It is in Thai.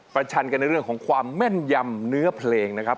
ชันกันในเรื่องของความแม่นยำเนื้อเพลงนะครับ